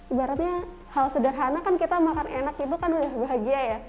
ibaratnya hal sederhana kan kita makan enak itu kan udah bahagia ya